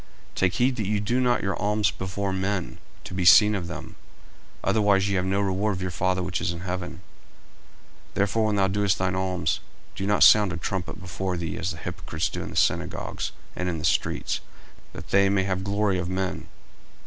40:006:001 Take heed that ye do not your alms before men, to be seen of them: otherwise ye have no reward of your Father which is in heaven. 40:006:002 Therefore when thou doest thine alms, do not sound a trumpet before thee, as the hypocrites do in the synagogues and in the streets, that they may have glory of men.